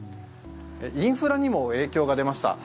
インフラにも影響が出ました。